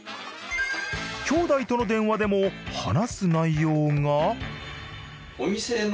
きょうだいとの電話でも話す内容が。